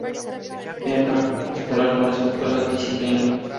En particular con respecto a la disciplina.